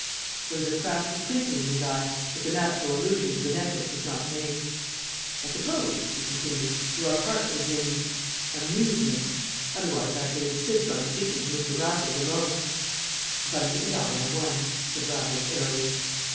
There was a crafty twinkle in his eye, but the natural allusion to the necklace was not made. "I suppose," he continued, "you are partners in amusement? Otherwise I should insist on speaking to Mr. Raffles alone." "Bunny and I are one," said Raffles airily.